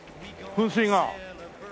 噴水が。